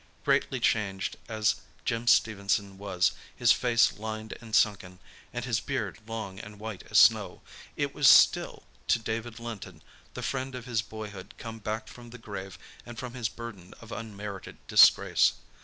Greatly changed as Jim Stephenson was, his face lined and sunken, and his beard long and white as snow, it was still, to David Linton, the friend of his boyhood come back from the grave and from his burden of unmerited disgrace.